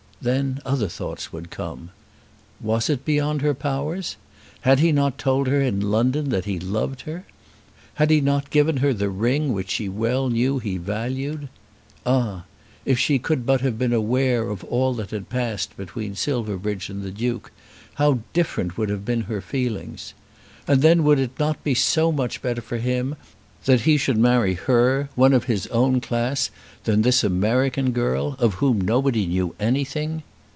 Then other thoughts would come. Was it beyond her powers? Had he not told her in London that he loved her? Had he not given her the ring which she well knew he valued? Ah; if she could but have been aware of all that had passed between Silverbridge and the Duke, how different would have been her feelings! And then would it not be so much better for him that he should marry her, one of his own class, than this American girl, of whom nobody knew anything?